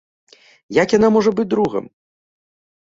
Як яна можа быць другам?